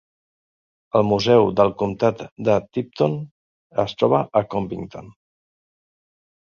El Museu del Comtat de Tipton es troba a Covington.